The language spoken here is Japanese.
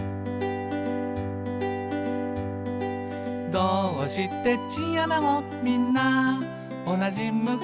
「どーうしてチンアナゴみんなおなじ向き？」